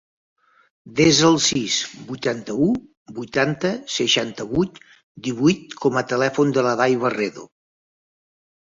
Desa el sis, vuitanta-u, vuitanta, seixanta-vuit, divuit com a telèfon de l'Aday Barredo.